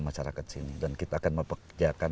masyarakat sini dan kita akan mempekerjakan